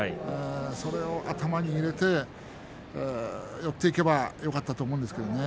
それを頭に入れて寄っていけばよかったと思うんですけどね